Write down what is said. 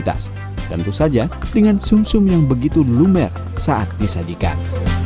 tentu saja dengan sum sum yang begitu lumer saat disajikan